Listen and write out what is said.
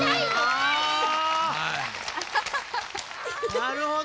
なるほど！